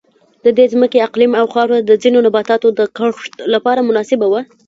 د دې ځمکې اقلیم او خاوره د ځینو نباتاتو د کښت لپاره مناسبه وه.